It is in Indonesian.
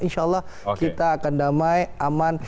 insya allah kita akan damai aman